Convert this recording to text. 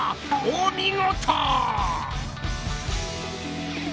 お見事！